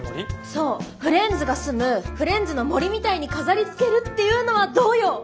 そうフレンズが住むフレンズの森みたいに飾りつけるっていうのはどうよ！